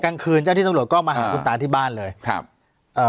กลางคืนเจ้าที่ตำรวจก็มาหาคุณตาที่บ้านเลยครับเอ่อ